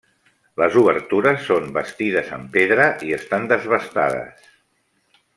Les obertures són bastides en pedra i estan desbastades.